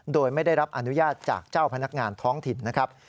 โดยไม่ได้รับอนุญาตจากเจ้าพนักงานท้องถิ่นนะครับ